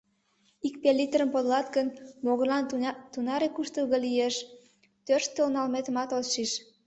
Ик пеллитрым подылат гын, могырлан тунаре куштылго лиеш — тӧрштыл налметымат от шиж.